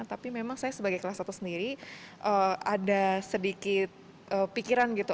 tapi memang saya sebagai kelas satu sendiri ada sedikit pikiran gitu